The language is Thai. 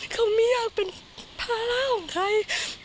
เขาไม่อยากเป็นภาระของใคร